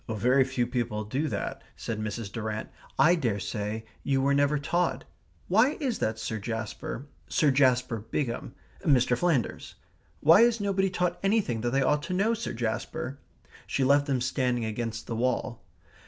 "Very few people do that," said Mrs. Durrant. "I daresay you were never taught. Why is that, Sir Jasper? Sir Jasper Bigham Mr. Flanders. Why is nobody taught anything that they ought to know, Sir Jasper?" She left them standing against the wall.